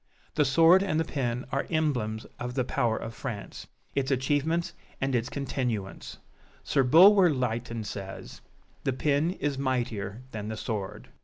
The sword and the pen are emblems of the power of France its achievements and its continuance; Sir Bulwer Lytton says, "The pen is mightier than the sword!"